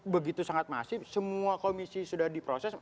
begitu sangat masif semua komisi sudah diproses